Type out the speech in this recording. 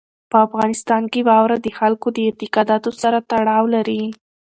په افغانستان کې واوره د خلکو د اعتقاداتو سره تړاو لري.